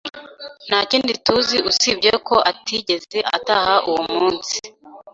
Nta kindi tuzi usibye ko atigeze ataha uwo munsi.